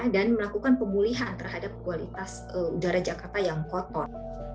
dan melakukan pemulihan terhadap kualitas udara jakarta yang kotor